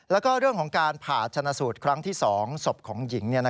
แล้วก็เรื่องของการผ่าชนะสูตรครั้งที่๒ศพของหญิง